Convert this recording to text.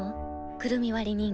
「くるみ割り人形」。